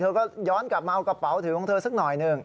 ก็ย้อนกลับมาเอากระเป๋าถือของเธอสักหน่อยหนึ่ง